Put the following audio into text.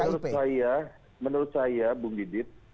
menurut saya menurut saya bung didit